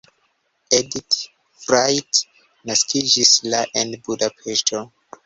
Edit Frajt naskiĝis la en Budapeŝto.